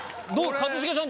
一茂さん